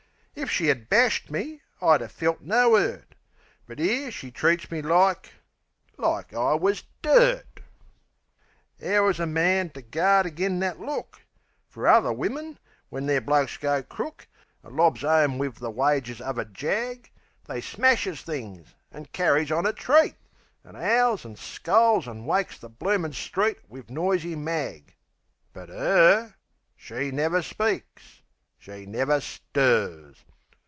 If she 'ad bashed me I'd 'a felt no 'urt! But 'ere she treats me like like I wus dirt. 'Ow is a man to guard agen that look? Fer other wimmin, when the'r blokes go crook, An' lobs 'ome wiv the wages uv a jag, They smashes things an' carries on a treat An' 'owls an' scolds an' wakes the bloomin' street Wiv noisy mag. But 'er she never speaks; she never stirs...